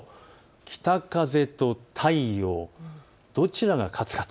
北風と太陽、どちらが勝つかと。